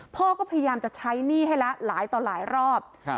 พ่อก็พยายามจะใช้หนี้ให้ละหลายต่อหลายรอบครับ